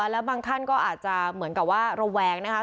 แล้วบางท่านก็อาจจะเหมือนกับว่าระแวงนะคะ